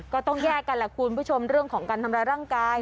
ก็ต้องแยกกันแหละคุณผู้ชมเรื่องของการทำร้ายร่างกาย